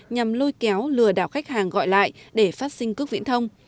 nhằm lôi kéo lừa đảo khách hàng gọi lại để phát sinh cước viễn thông